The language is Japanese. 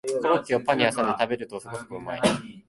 コロッケをパンにはさんで食べるとそこそこうまい